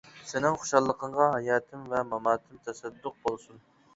سېنىڭ خۇشاللىقىڭغا ھاياتىم ۋە ماماتىم تەسەددۇق بولسۇن.